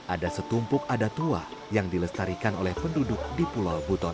ada setumpuk adat tua yang dilestarikan oleh penduduk di pulau buton